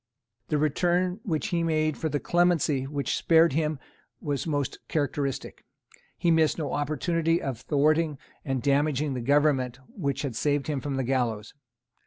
The return which he made for the clemency which spared him was most characteristic. He missed no opportunity of thwarting and damaging the Government which had saved him from the gallows.